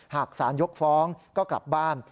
หากสารยกฟ้องก็กลับบ้าน